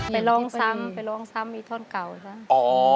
ไปร้องซ้ำไปร้องซ้ำมีท่อนเก่าซะ